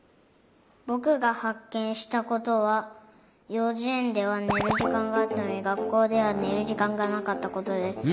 ぼくがはっけんしたことはようじえんではねるじかんがあったのにがっこうではねるじかんがなかったことです。